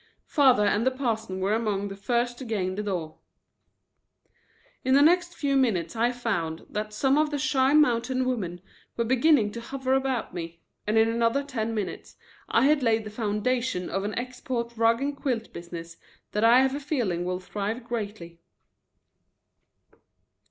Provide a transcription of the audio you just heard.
Father and the parson were among the first to gain the door. In the next few minutes I found that some of the shy mountain women were beginning to hover about me, and in another ten minutes I had laid the foundations of an export rug and quilt business that I have a feeling will thrive greatly.